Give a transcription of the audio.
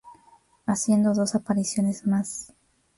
Haciendo dos apariciones más.